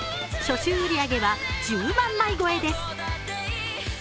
初週売り上げは１０万枚超えです。